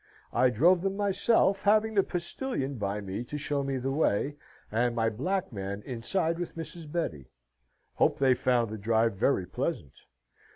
I drove them myself, having the postilion by me to show me the way, and my black man inside with Mrs. Betty. Hope they found the drive very pleasant.